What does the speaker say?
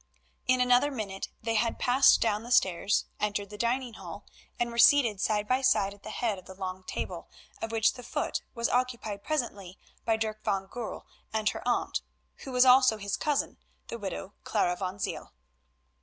In another minute they had passed down the stairs, entered the dining hall, and were seated side by side at the head of the long table, of which the foot was occupied presently by Dirk van Goorl and her aunt, who was also his cousin, the widow Clara van Ziel.